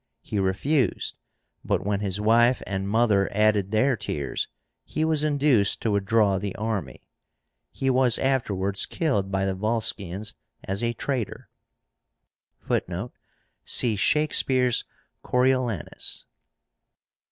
He refused; but, when his wife and mother added their tears, he was induced to withdraw the army. He was afterwards killed by the Volscians as a traitor. (Footnote: See Shakespeare's "Coriolanus.")